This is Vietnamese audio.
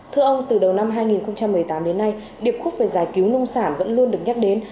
thưa ông từ đầu năm hai nghìn một mươi tám đến nay điệp khúc về giải cứu nông sản vẫn luôn được nhắc đến